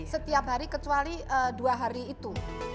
setiap hari kecuali dua hari itu